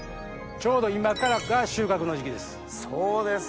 ちょうど今からが収穫の時期です。